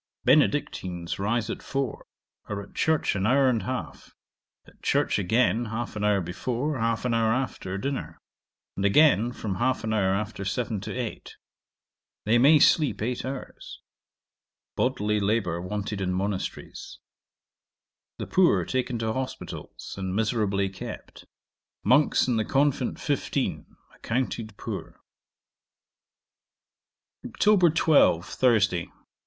Benedictines rise at four; are at church an hour and half; at church again half an hour before, half an hour after, dinner; and again from half an hour after seven to eight. They may sleep eight hours. Bodily labour wanted in monasteries. 'The poor taken to hospitals, and miserably kept. Monks in the convent fifteen: accounted poor. 'Oct. 12. Thursday.